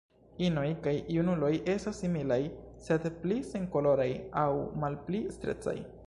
Inoj kaj junuloj estas similaj, sed pli senkoloraj aŭ malpli striecaj.